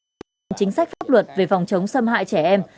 đưa ra một bài báo về chính sách pháp luật về phòng chống xâm hại trẻ em